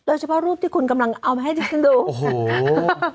โดยเฉพาะรูปที่คุณกำลังเอามาให้ให้ทิศิศน์ดูอัฮูฮ่าวอ่าว